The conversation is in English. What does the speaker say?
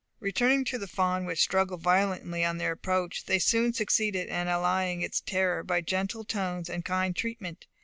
Returning to the fawn, which struggled violently on their approach, they soon succeeded in allaying its terror by gentle tones and kind treatment.